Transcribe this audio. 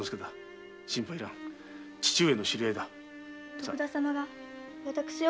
徳田様が私を？